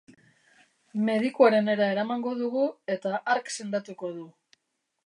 Medikuarenera eramango dugu, eta hark sendatuko du.